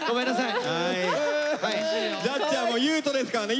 ジャッジはもう優斗ですからね。